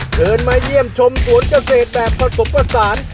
เชิญมาเยี่ยมชมสวนเกษตรแบบผสมผสาน